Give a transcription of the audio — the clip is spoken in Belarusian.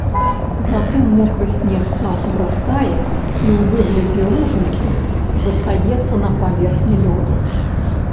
Затым мокры снег цалкам растае і ў выглядзе лужынкі застаецца на паверхні лёду.